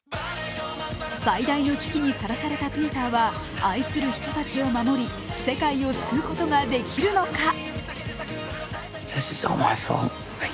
最大の危機にさらされたピーターは愛する人たちを守り、世界を救うことができるのか。